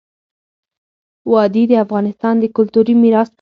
وادي د افغانستان د کلتوري میراث برخه ده.